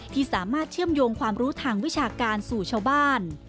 ที่สามารถเชื่อมโยงความรู้ทางวิชาการสู่ชาวบ้าน